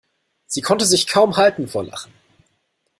Sie konnte sich kaum halten vor Lachen.